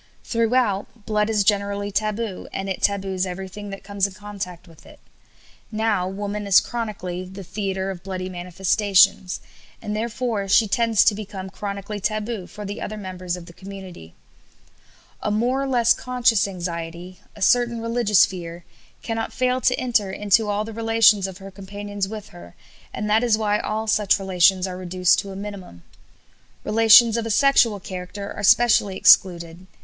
Throughout, blood is generally taboo, and it taboos everything that comes in contact with it. Now woman is chronically "the theatre of bloody manifestations," and therefore she tends to become chronically taboo for the other members of the community. "A more or less conscious anxiety, a certain religious fear, cannot fail to enter into all the relations of her companions with her, and that is why all such relations are reduced to a minimum. Relations of a sexual character are specially excluded.